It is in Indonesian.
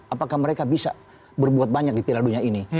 apakah mereka bisa berbuat banyak di pilih ladunya ini